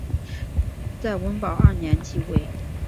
在文保二年即位。